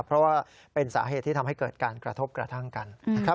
เพราะว่าเป็นสาเหตุที่ทำให้เกิดการกระทบกระทั่งกันนะครับ